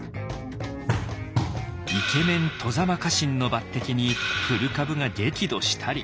イケメン外様家臣の抜てきに古株が激怒したり。